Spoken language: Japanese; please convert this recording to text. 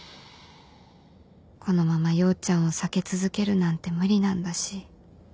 このまま陽ちゃんを避け続けるなんて無理なんだし